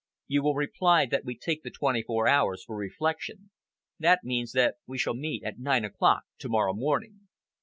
You will reply that we take the twenty four hours for reflection. That means that we shall meet at nine o'clock to morrow evening."